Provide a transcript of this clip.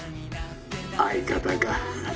「相方か」